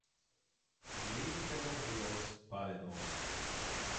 Její tělo bylo spáleno.